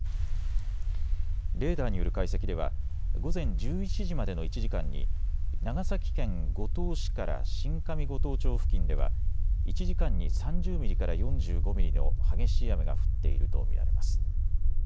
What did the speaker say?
レーダーによる解析では午前１１時までの１時間に長崎県五島市から新上五島町付近では１時間に３０ミリから４５ミリの激しい雨が降っていると見られます。